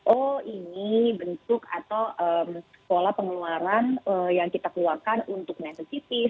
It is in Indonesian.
oh ini bentuk atau pola pengeluaran yang kita keluarkan untuk net sensitif